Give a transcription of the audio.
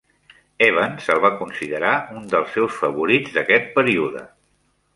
Evans el va considerar un dels seus favorits d'aquest període.